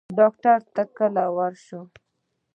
ډاکټر ته کله ورشو؟